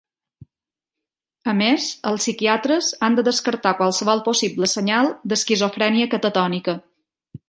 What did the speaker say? A més, els psiquiatres han de descartar qualsevol possible senyal d'esquizofrènia catatònica.